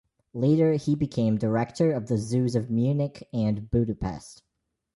Later he became director of the zoos of Munich and Budapest.